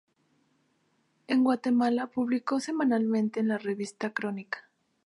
En Guatemala publicó semanalmente en la revista Crónica.